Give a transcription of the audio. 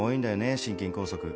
心筋梗塞